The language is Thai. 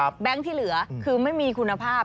แก๊งที่เหลือคือไม่มีคุณภาพ